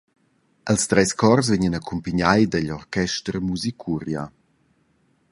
Ils treis chors vegnan accumpignai digl orchester Musicuria.